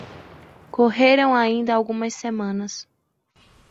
Correram ainda algumas semanas.